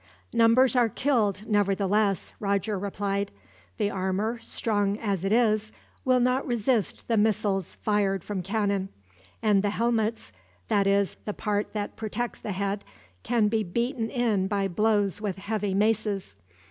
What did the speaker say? "Numbers are killed, nevertheless," Roger replied. "The armor, strong as it is, will not resist the missiles fired from cannon; and the helmets that is, the part that protects the head can be beaten in by blows with heavy maces.